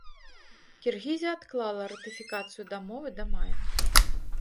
Кіргізія адклала ратыфікацыю дамовы да мая.